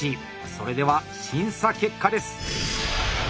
それでは審査結果です！